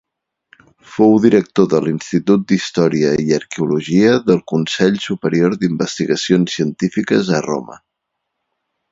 Fou director de l'Institut d'Història i Arqueologia del Consell Superior d'Investigacions Científiques a Roma.